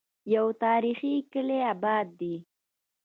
يو تاريخي کلے اباد دی